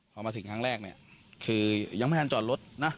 พอมาถึงครั้งแรกเนี่ยคือยังไม่ทันจอดรถนะ